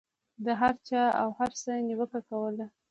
د هر چا او هر څه نیوکه کول.